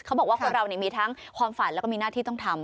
เขาบอกว่าคนเรามีทั้งความฝันแล้วก็มีหน้าที่ต้องทำ